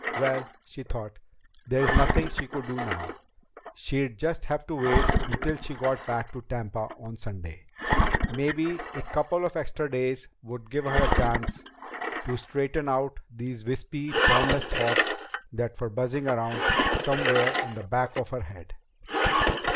Well, she thought, there's nothing she could do now. She'd just have to wait until she got back to Tampa on Sunday. Maybe a couple of extra days would give her a chance to straighten out these wispy, formless thoughts that were buzzing around somewhere in the back of her head.